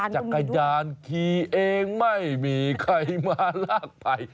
จักรยานขี่เองไม่มีใครมาลากภัย